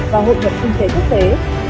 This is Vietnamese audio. và hội thuật kinh tế quốc tế